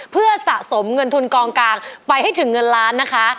เพื่อสะสมเงินทุนกองกลางไปให้ถึงเงินล้านนะคะ